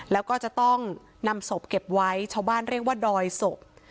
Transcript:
แล้วก็จะต้องนำศพเก็บไว้ชาวบ้านเรียกว่าดอยศพ